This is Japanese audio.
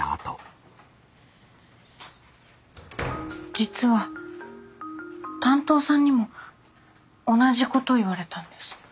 実は担当さんにも同じことを言われたんです。